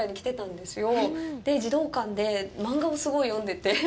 で、児童館で漫画をすごい読んでて。